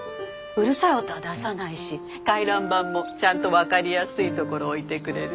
うるさい音は出さないし回覧板もちゃんと分かりやすいところ置いてくれるし。